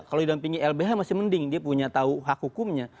kalau didampingi lbh masih mending dia punya tahu hak hukumnya